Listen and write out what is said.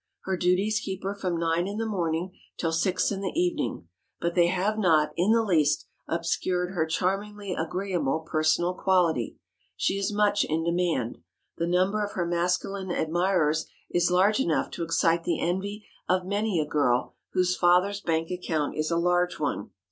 Her duties keep her from nine in the morning till six in the evening, but they have not, in the least, obscured her charmingly agreeable personal quality. She is much in demand. The number of her masculine admirers is large enough to excite the envy of many a girl whose father's bank account is a large one.